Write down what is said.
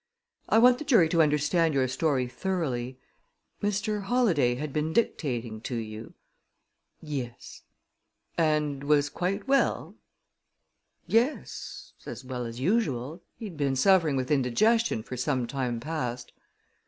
"I want the jury to understand your story thoroughly. Mr. Holladay had been dictating to you?" "Yes." "And was quite well?" "Yes as well as usual. He'd been suffering with indigestion for some time past."